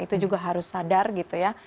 itu juga harus sadar gitu ya